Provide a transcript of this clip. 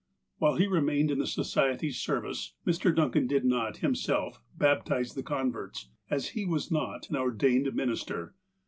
While he remained in the Society's service Mr. Duncan did not, himself, baptize the converts, as he was not an ordained minister.